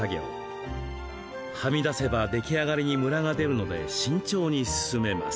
はみ出せば出来上がりにムラが出るので慎重に進めます。